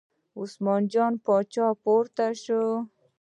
عثمان جان پاچا پورته شو.